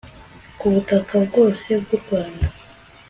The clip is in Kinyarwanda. ku butaka bwose bwu rwanda